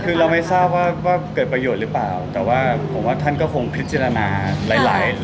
คือเราไม่ทราบว่าเกิดประโยชน์หรือเปล่าแต่ว่าผมว่าท่านก็คงพิจารณาหลายหลาย